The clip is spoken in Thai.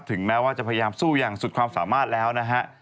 แม้ว่าจะพยายามสู้อย่างสุดความสามารถแล้วนะฮะ